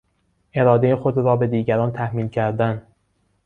ارادهی خود را به دیگران تحمیل کردن